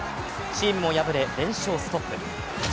チームも敗れ、連勝ストップ。